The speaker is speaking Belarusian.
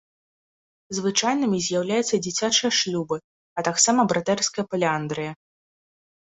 Звычайнымі з'яўляюцца дзіцячыя шлюбы, а таксама братэрская паліандрыя.